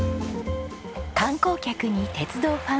観光客に鉄道ファン。